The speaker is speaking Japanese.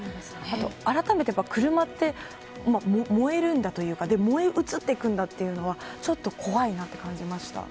あらためて車って燃えるんだというか燃え移っていくんだというのはちょっと怖いなと感じました。